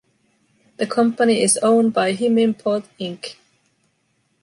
The company is owned by Himimport Inc.